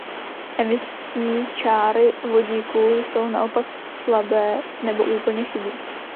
Emisní čáry vodíku jsou naopak slabé nebo úplně chybí.